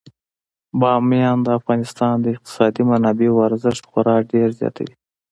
بامیان د افغانستان د اقتصادي منابعو ارزښت خورا ډیر زیاتوي.